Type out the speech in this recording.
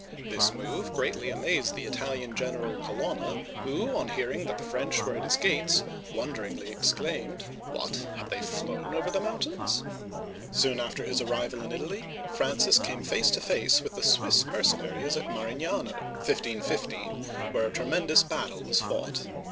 This move greatly amazed the Italian general Colon'na, who, on hearing that the French were at his gates, wonderingly exclaimed: " What ! Have they flown over the mountains ?Soon after his arrival in Italy, Francis came face to face with the Swiss mercenaries at Marignano (ma reen ya'no, 151 5), where a tremendous battle was fought.